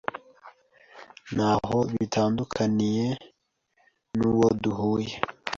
Ntaho bitandukaniye uwo duhuye.